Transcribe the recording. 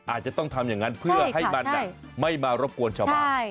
อาจจะต้องทำอย่างนั้นเพื่อให้มันไม่มารบกวนชาวบ้าน